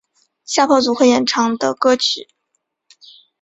吓跑组合演唱的歌曲。